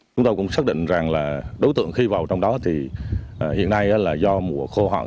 chúng tôi cũng xác định rằng là đối tượng khi vào trong đó thì hiện nay là do mùa khô hạn